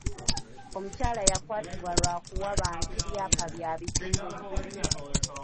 Omukyala yakwatibwa lwa kuwa bantu byapa bya bicupuli.